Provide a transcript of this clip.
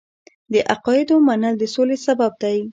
د عقایدو منل د سولې سبب دی.